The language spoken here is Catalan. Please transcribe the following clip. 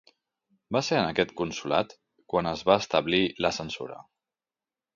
Va ser en aquest consolat quan es va establir la censura.